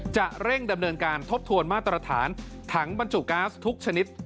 จะเร่งดำเนินการทบทวนมาตรฐานถังบรรจุก๊าซทุกชนิด